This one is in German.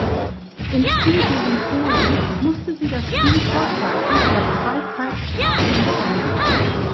Im Spiel gegen Polen musste sie das Spiel vorzeitig nach zwei Zeitstrafen beenden.